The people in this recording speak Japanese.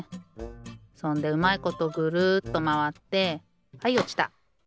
そんでうまいことぐるっとまわってはいおちた。